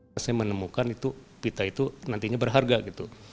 saya menemukan itu pita itu nantinya berharga gitu